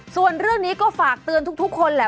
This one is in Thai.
ส่วนเรื่องนี้ก็ฝากเตือนทุกคนแหละ